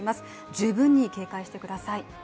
十分に警戒してください。